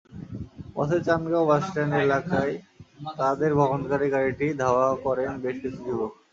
পথে চান্দগাঁও বাসস্ট্যান্ড এলাকায় তাঁদের বহনকারী গাড়িটি ধাওয়া করেন বেশ কিছু যুবক।